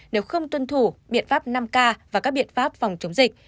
nếu không tuân thủ biện pháp năm k và các biện pháp phòng chống dịch